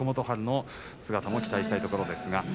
春の姿も期待したいところです。